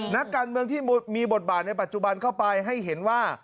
นักการเมืองที่มีบทบาทในปัจจุบันเข้าไปให้เห็นว่า